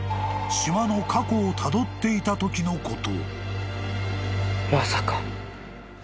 島の過去をたどっていたときのこと］